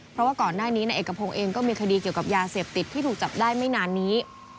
เพราะว่าก่อนหน้านี้นายเอกพงศ์เองก็มีคดีเกี่ยวกับยาเสพติดที่ถูกจับได้ไม่นานนี้